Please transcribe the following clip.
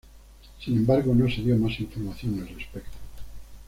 Sin embargo, no se dio más información al respecto.